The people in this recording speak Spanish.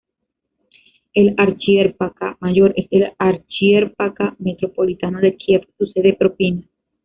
El archieparca mayor es el archieparca metropolitano de Kiev, su sede propia.